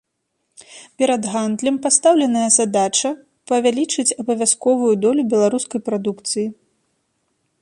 Перад гандлем пастаўленая задача павялічыць абавязковую долю беларускай прадукцыі.